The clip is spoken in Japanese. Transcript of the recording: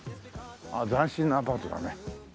ああ斬新なアパートだね。